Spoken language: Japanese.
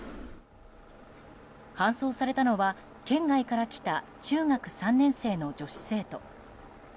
搬送されたのは、県外から来た中学３年生の女子生徒。